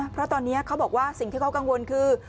เพราะตอนนี้เขาบอกว่าสิ่งที่เขากังวลคือ